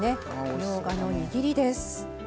みょうがのにぎりです。